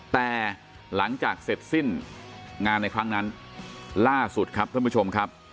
แต่หลังจากเสร็จสิ้นงานในครั้งนั้นล่าสุดครับท่านผู้ชมครับ